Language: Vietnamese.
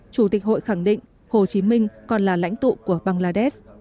chủ tịch hội khẳng định hồ chí minh còn là lãnh tụ của bangladesh